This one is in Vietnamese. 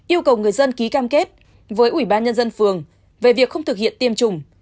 yêu cầu người dân ký cam kết với ủy ban nhân dân phường về việc không thực hiện tiêm chủng